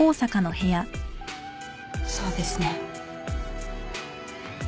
そうですね。